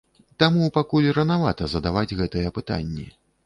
Таму пакуль ранавата задаваць гэтыя пытанні.